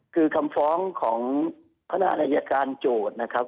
คือคำฟ้องของคณะอายการโจทย์นะครับ